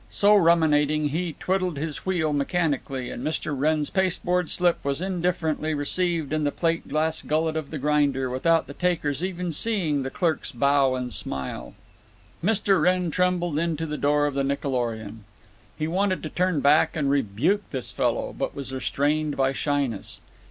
So ruminating, he twiddled his wheel mechanically, and Mr. Wrenn's pasteboard slip was indifferently received in the plate glass gullet of the grinder without the taker's even seeing the clerk's bow and smile. Mr. Wrenn trembled into the door of the Nickelorion. He wanted to turn back and rebuke this fellow, but was restrained by shyness.